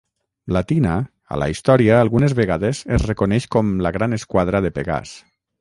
La tina a la història algunes vegades es reconeix com la gran esquadra de Pegàs.